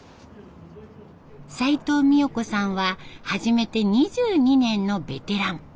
齊藤美代子さんは始めて２２年のベテラン。